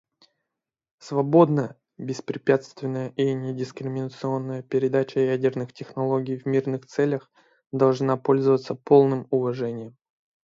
Свободная, беспрепятственная и недискриминационная передача ядерной технологии в мирных целях должна пользоваться полным уважением.